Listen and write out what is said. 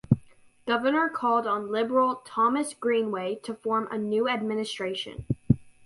Governor called on Liberal Thomas Greenway to form a new administration.